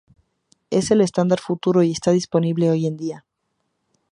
Es el estándar futuro y está disponible hoy en día.